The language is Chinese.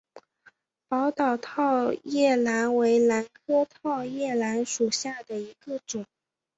宝岛套叶兰为兰科套叶兰属下的一个种。